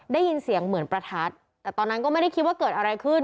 ได้ยินเสียงเหมือนประทัดแต่ตอนนั้นก็ไม่ได้คิดว่าเกิดอะไรขึ้น